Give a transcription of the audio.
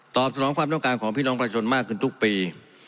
สนองความต้องการของพี่น้องประชาชนมากขึ้นทุกปี